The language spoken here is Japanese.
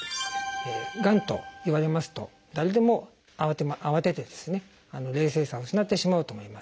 がんと言われますと誰でもあわてて冷静さを失ってしまうと思います。